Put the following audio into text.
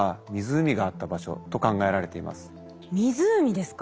湖ですか？